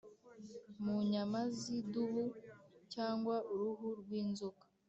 mu nyama z'idubu cyangwa uruhu rw'inzoka.